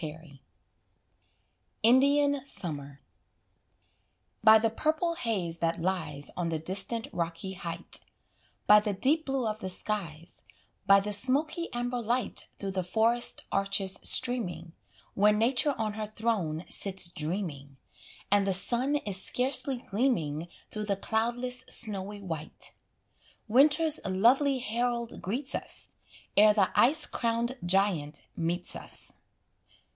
Matthew, XII. INDIAN SUMMER By the purple haze that lies On the distant rocky height, By the deep blue of the skies, By the smoky amber light Through the forest arches streaming, Where Nature on her throne sits dreaming, And the sun is scarcely gleaming Through the cloudless snowy white, Winter's lovely herald greets us, Ere the ice crowned giant meets us.